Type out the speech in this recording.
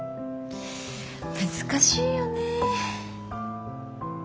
難しいよね。